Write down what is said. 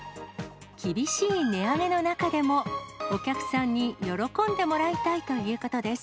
厳しい値上げの中でも、お客さんに喜んでもらいたいということです。